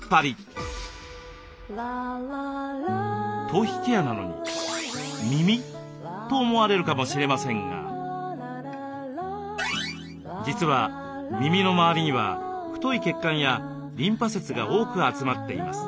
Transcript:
「頭皮ケアなのに耳？」と思われるかもしれませんが実は耳の周りには太い血管やリンパ節が多く集まっています。